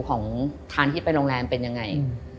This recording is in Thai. ของทางที่ไปโรงแรมเป็นยังไง